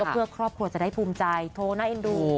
เพื่อครอบครัวจะได้ภูมิใจโทน่าเอ็นดู